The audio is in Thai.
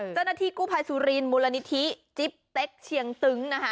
เจ้าหน้าที่กู้ภัยซุรินทร์มูลนิธิจิบเท๊กเฉียงตึง